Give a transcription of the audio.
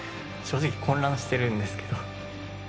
正直混乱してるんですけども。